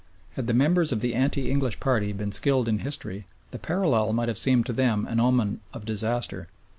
Had the members of the anti English party been skilled in history, the parallel might have seemed to them an omen of disaster.